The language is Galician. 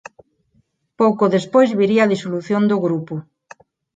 Pouco despois viría a disolución do grupo.